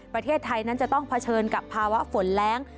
ประเทศไทยนั้นจะต้องเผชิญกับภาวะฝนแรง